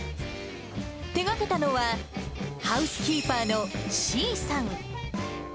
手がけたのは、ハウスキーパーのｓｅａさん。